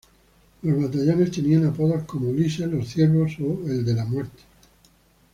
Los batallones tenían apodos como "Ulises", "los Ciervos" o el de "la Muerte".